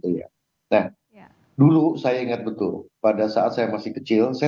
iya nah dulu saya ingat betul pada saat saya masih kecil